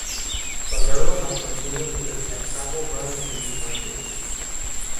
Valero has continued with the Texaco brand in these markets.